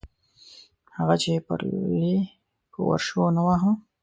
هغه چې پل یې په ورشو نه واهه.